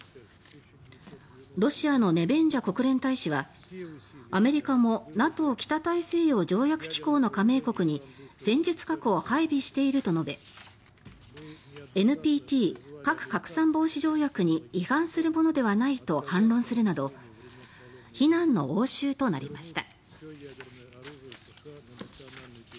ロシアのネベンジャ国連大使はアメリカもＮＡＴＯ・北大西洋条約機構の加盟国に戦術核を配備していると述べＮＰＴ・核拡散防止条約に違反するものではないと反論するなど非難の応酬となりました。